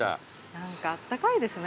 何かあったかいですね